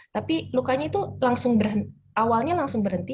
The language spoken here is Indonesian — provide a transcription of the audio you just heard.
tapi lukanya itu langsung awalnya langsung berhenti